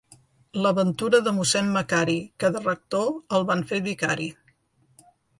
La ventura de mossèn Macari, que de rector el van fer vicari.